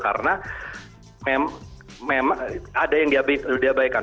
karena memang ada yang diabaikan